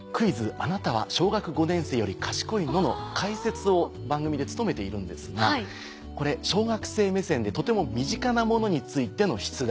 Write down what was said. あなたは小学５年生より賢いの？』の解説を番組で務めているんですがこれ小学生目線でとても身近なものについての出題。